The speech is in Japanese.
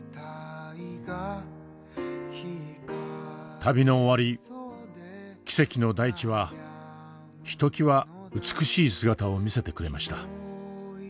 旅の終わり奇跡の大地はひときわ美しい姿を見せてくれました。